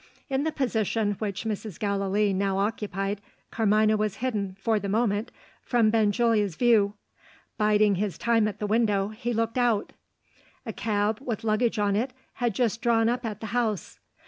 In the position which Mrs. Gallilee now occupied, Carmina was hidden, for the moment, from Benjulia's view. Biding his time at the window, he looked out. A cab, with luggage on it, had just drawn up at the house.